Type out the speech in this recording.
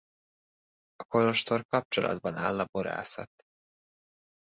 A kolostor kapcsolatban áll a borászat.